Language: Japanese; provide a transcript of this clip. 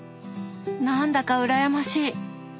何だか羨ましい。